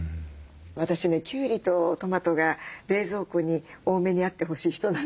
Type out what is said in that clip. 私ねきゅうりとトマトが冷蔵庫に多めにあってほしい人なのね。